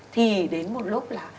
thì đến một lúc là